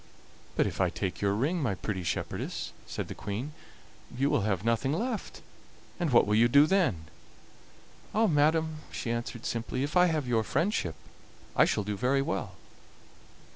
"But if I take your ring, my pretty shepherdess," said the Queen, "you will have nothing left; and what will you do then?" "Ah! madam," she answered simply, "if I have your friendship I shall do very well."